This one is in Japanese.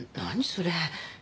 それ。